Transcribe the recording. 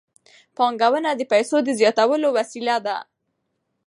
پانګونه د پیسو د زیاتولو وسیله ده.